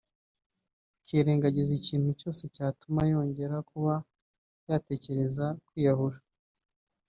akirengagiza ikintu cyose cyatuma yongera kuba yatekereza kwiyahura